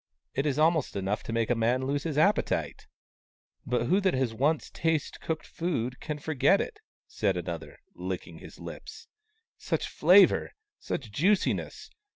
It is almost enough to make a man lose his appetite !"" But who that has once tasted cooked food can ever forget it ?" another said, licking his lips. " Such flavour ! Such juiciness